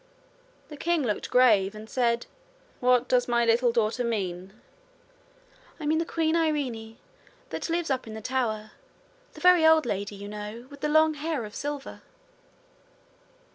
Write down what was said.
The king looked grave And said: 'What does my little daughter mean?' 'I mean the Queen Irene that lives up in the tower the very old lady, you know, with the long hair of silver.'